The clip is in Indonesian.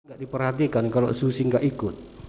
tidak diperhatikan kalau susi tidak ikut